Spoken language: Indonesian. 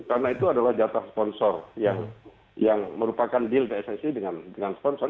karena itu adalah jatah sponsor yang merupakan deal pssi dengan sponsor